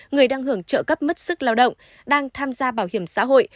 người đang hưởng trợ cấp mất sức lao động đang tham gia bảo hiểm xã hội